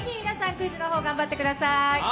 クイズの方、頑張ってください。